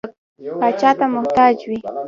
پاچا ته محتاج وي.